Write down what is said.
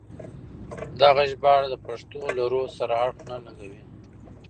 دغه ژباړه د پښتو له روح سره اړخ نه لګوي.